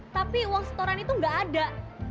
tapi uang setoran itu nggak ada